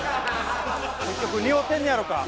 結局似合うてんねやろか？